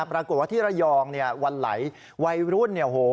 ปรากฏว่าที่ระยองเนี่ยวันไหลวัยรุ่นเนี่ยโห